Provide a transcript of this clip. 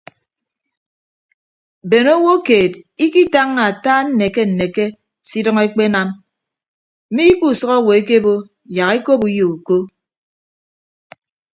Bene owo keed ikitañña ata nneke nneke se idʌñ ekpenam mi ke usʌk owo ekebo yak ekop uyo uko.